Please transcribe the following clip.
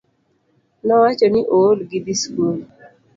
Nowacho ni ool gi dhi skul